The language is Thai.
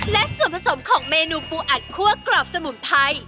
และส่วนผสมของเมนูปูอัดคั่วกรอบสมุนไพร